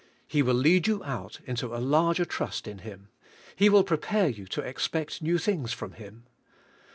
He will lead you out into a larger trust in Him; He will prepare you to expect new tilings from Him.